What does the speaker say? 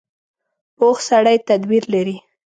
پوخ سړی تدبیر لري